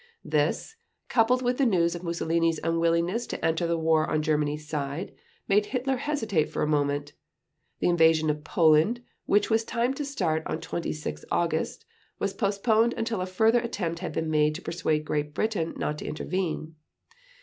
This, coupled with the news of Mussolini's unwillingness to enter the war on Germany's side, made Hitler hesitate for a moment. The invasion of Poland, which was timed to start on 26 August, was postponed until a further attempt had been made to persuade Great Britain not to intervene.